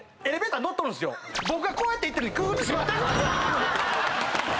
僕がこうやって行ってるのにくーって閉まってるんですよ！